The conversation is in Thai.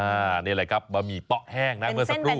อันนี้แหละครับบะหมี่เป๊ะแห้งนะเมื่อสักครู่